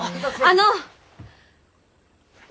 あの！